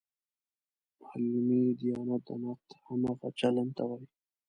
علمي دیانت د نقد همغه چلن ته وایي.